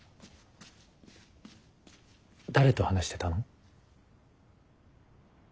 誰と話してたの？